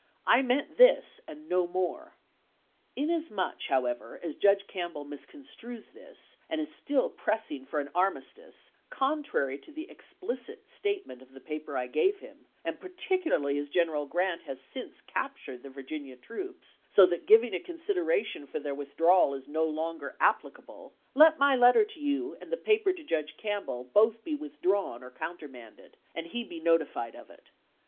I meant this and no more. Inasmuch, however, as Judge Campbell misconstrues this, and is still pressing for an armistice, contrary to the explicit statement of the paper I gave him, and particu larly as General Grant has since captured the Virginia troops, so that giving a consideration for their with drawal is no longer applicable, let my letter to you and the paper to Judge Campbell both be withdrawn or countermanded, and he be notified of it.